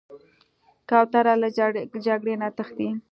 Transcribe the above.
کوتره له جګړې نه تښتي.